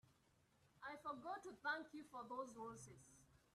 I forgot to thank you for those roses.